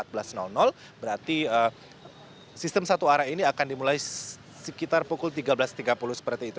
berarti sistem satu arah ini akan dimulai sekitar pukul tiga belas tiga puluh seperti itu